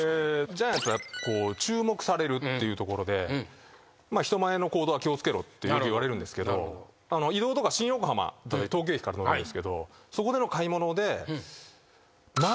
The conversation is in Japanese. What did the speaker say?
ジャイアンツは注目されるっていうところで人前の行動は気を付けろってよく言われるんですけど移動とか新横浜だったり東京駅から乗るんですけどそこでの買い物で。